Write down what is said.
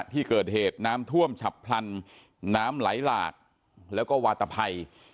ที่เกิดเหตุน้ำท่วมฉับพลันน้ำไหลหลากแล้วก็วาตภัย